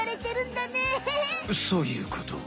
そういうこと。